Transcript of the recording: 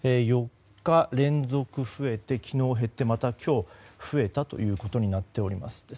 ４日連続増えて、昨日減ってまた今日、増えたということになっています。